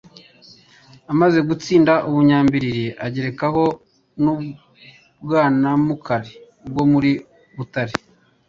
Amaze gutsinda u Bunyamblili agerekaho n'u Bwanamukari bwo muri Butare,